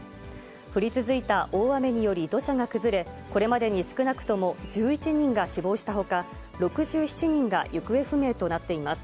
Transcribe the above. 降り続いた大雨により土砂が崩れ、これまでに少なくとも１１人が死亡したほか、６７人が行方不明となっています。